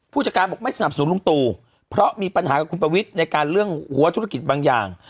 ผู้จัดการบอกไม่สนับสนุนลุงตู่เพราะมีปัญหากับคุณประวิทย์ในการเรื่องหัวธุรกิจบางอย่าง